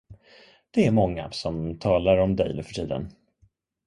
Det är många, som talar om dig nu för tiden.